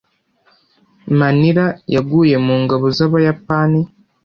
manila yaguye mu ngabo z'abayapani